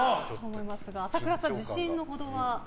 朝倉さん、自信のほどは？